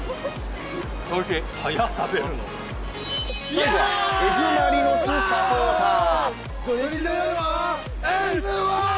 最後はＦ・マリノスサポーター。